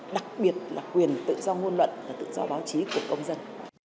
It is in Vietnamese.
đặc biệt là quyền tự do ngôn luận và tự do báo chí của công dân